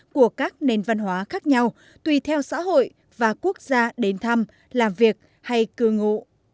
của các nền văn hóa khác nhau tùy theo xã hội và quốc gia đến thăm làm việc hay cư ngụ